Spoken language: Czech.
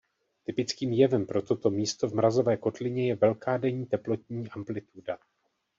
Typickým jevem pro toto místo v mrazové kotlině je velká denní teplotní amplituda.